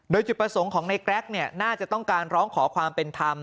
โดยจุดประสงค์ของในแกรกน่าจะต้องการร้องขอความเป็นธรรม